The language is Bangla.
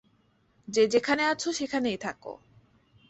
যে যেখানে আছো সেখানেই থাকো।